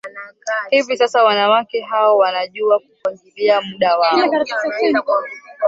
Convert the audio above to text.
Hivi sasa wanawake hao wanajua kupangilia muda wao